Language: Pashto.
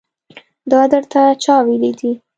دا درته چا ويلي دي.